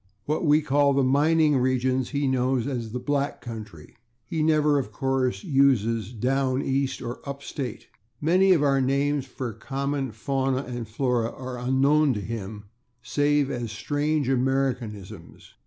What we call the /mining regions/ he knows as the /black country/. He never, of course, uses /down East/ or /up State/. Many of our names for common fauna and flora are unknown to him save as strange Americanisms, /e.